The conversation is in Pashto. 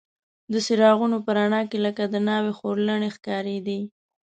د څراغونو په رڼا کې لکه د ناوې خورلڼې ښکارېدې.